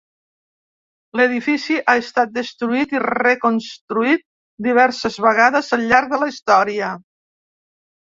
L'edifici ha estat destruït i reconstruït diverses vegades al llarg de la història.